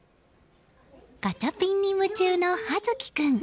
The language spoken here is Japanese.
ガチャピンに夢中な珀月君。